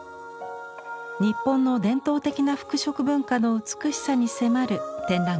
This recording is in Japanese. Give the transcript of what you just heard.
日本の伝統的な服飾文化の美しさに迫る展覧会です。